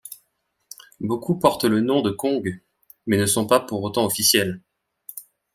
Beaucoup portent le nom de Kong mais ne sont pas pour autant officiels.